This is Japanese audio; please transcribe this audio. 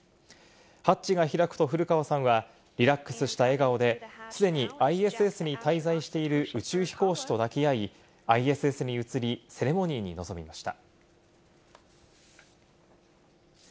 ハッチが開くと、古川さんはリラックスした笑顔で、すでにＩＳＳに滞在している宇宙飛行士と抱き合い、ＩＳＳに移り、セレモニーに臨みました。